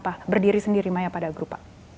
karena saya juga berdiri sendiri maya pada grup pak